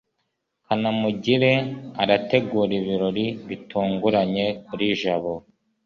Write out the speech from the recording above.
kanamugire arategura ibirori bitunguranye kuri jabo